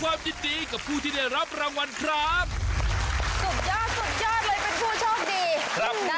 ยินดีกับผู้ที่ได้รับรางวัลครับสุดยอดสุดยอดเลยเป็นผู้โชคดีครับนะ